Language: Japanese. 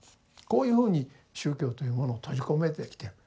こういうふうに宗教というものを閉じ込めてきてる。